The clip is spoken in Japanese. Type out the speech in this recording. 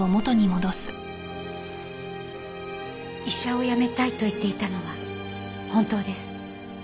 医者を辞めたいと言っていたのは本当です。